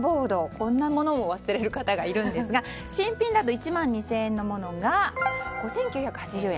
こんなものを忘れる方がいるんですが新品だと１万２０００円のものが５９８０円